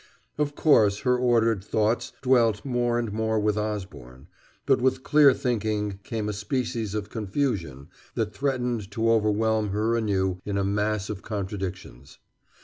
Of course, her ordered thoughts dwelt more and more with Osborne, but with clear thinking came a species of confusion that threatened to overwhelm her anew in a mass of contradictions.